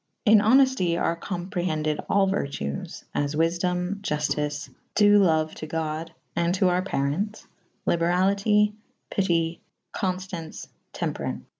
In honefty are comprehended all vertues / as wyfedome / iultice /due loue to god / and to our parentes / lyberality / pyty' / con fta«ce / temperance.